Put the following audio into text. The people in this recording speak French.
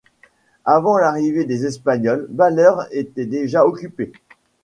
Avant l'arrivée des Espagnols, Baler était déjà occuppée.